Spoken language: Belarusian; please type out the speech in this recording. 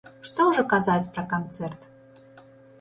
Што ўжо казаць пра канцэрт!